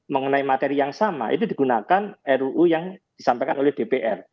mengenai materi yang sama itu digunakan ruu yang disampaikan oleh dpr